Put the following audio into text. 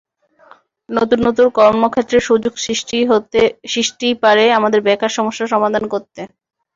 নতুন নতুন কর্মক্ষেত্রের সুযোগ সৃষ্টিই পারে আমাদের বেকার সমস্যার সমাধান করতে।